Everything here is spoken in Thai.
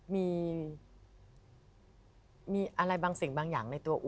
มีอะไรบางสิ่งบางอย่างในตัวอุ